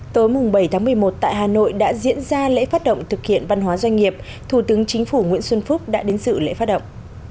tối bảy tháng một mươi một tại hà nội đã diễn ra lễ phát động thực hiện văn hóa doanh nghiệp thủ tướng chính phủ nguyễn xuân phúc đã đến sự lễ phát động